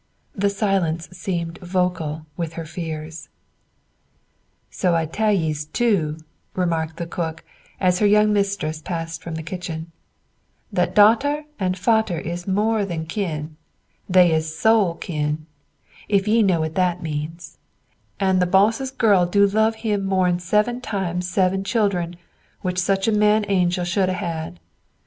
The silence seemed vocal with her fears. "So I tell ye's two," remarked the cook as her young mistress passed from the kitchen, "that darter and father is more than kin, they is soul kin, if ye know what that means; an' the boss's girl do love him more'n seven times seven children which such a man angel should 'a' had."